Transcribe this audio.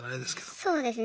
そうですね。